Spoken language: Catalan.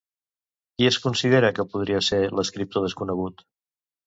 Qui es considera que podria ser l'escriptor desconegut?